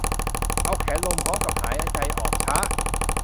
เอาแขนลงพร้อมกับหายใจออกช้า